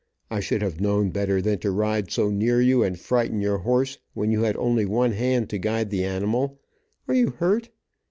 I should have known better than to ride so near you, and frighten your horse, when you had only one hand to guide the animal. Are you hurt?